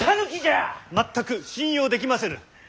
全く信用できませぬ。